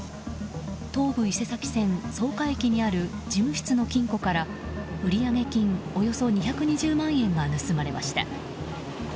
東武伊勢崎線草加駅にある事務室の金庫から売上金およそ２２０万円が盗まれました。